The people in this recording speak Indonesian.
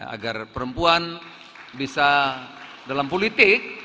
agar perempuan bisa dalam politik